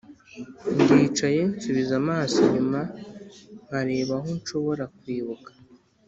ndicaye nsubiza amaso inyuma nkareba aho nshobora kwibuka,